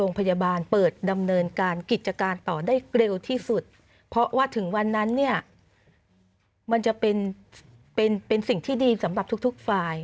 โรงพยาบาลเปิดดำเนินการกิจการต่อได้เร็วที่สุดเพราะว่าถึงวันนั้นเนี่ยมันจะเป็นเป็นสิ่งที่ดีสำหรับทุกฝ่าย